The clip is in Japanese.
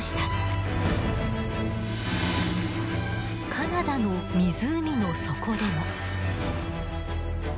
カナダの湖の底でも。